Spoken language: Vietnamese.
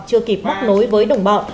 chưa kịp bắt nối với đồng bọn